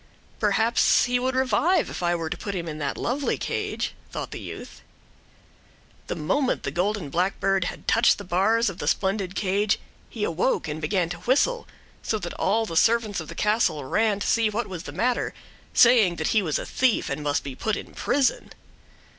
"Perhaps he would revive if I were to put him in that lovely cage," thought the youth. The moment the golden blackbird had touched the bars of the splendid cage he awoke and began to whistle, so that all the servants of the castle ran to see what was the matter, saying that he was a thief and must be put in prison.